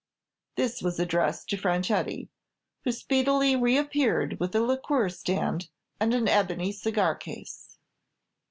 This was addressed to Franchetti, who speedily reappeared with a liqueur stand and an ebony cigar case.